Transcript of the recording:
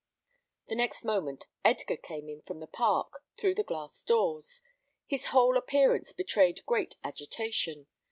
The next moment Edgar came in from the park, through the glass doors. His whole appearance betrayed great agitation.